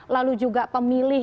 lalu juga pemilih